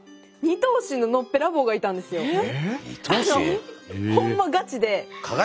あのホンマガチで！